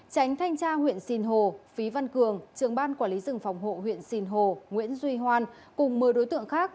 tránh thanh tra huyện sinh hồ phí văn cường trưởng ban quản lý rừng phòng hộ huyện sìn hồ nguyễn duy hoan cùng một mươi đối tượng khác